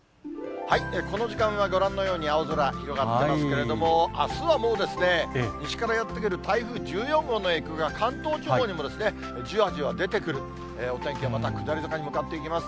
この時間はご覧のように青空、広がってますけれども、あすはもう、西からやって来る台風１４号の影響が関東地方にもじわじわ出てくる、お天気、また下り坂に向かっていきます。